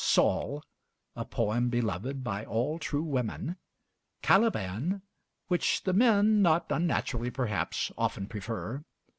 'Saul,' a poem beloved by all true women; 'Caliban,' which the men, not unnaturally perhaps, often prefer.